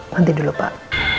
nanti dulu pak